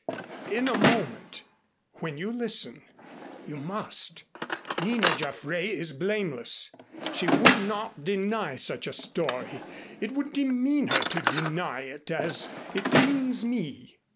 "In a moment when you listen. You must. Nina Jaffray is blameless. She would not deny such a story. It would demean her to deny it as it demeans me."